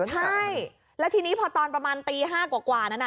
ใช่แล้วทีนี้พอตอนประมาณตี๕กว่านั้น